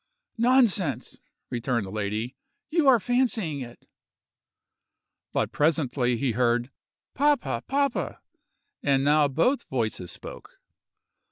"Nonsense!" returned the lady; "you are fancying it." But presently he again heard "Papa, papa!" and now both voices spoke.